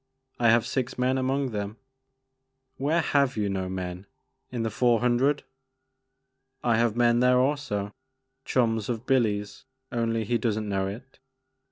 I have six men among them." "Where have you no men? In the Four Hundred?" " I have men there also, — chums of Billy's only he does n't know it.